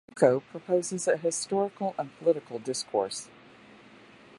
Foucault proposes a "historical and political discourse".